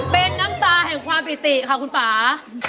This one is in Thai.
เป็นน้ำตาแห่งความปิติค่ะคุณป่า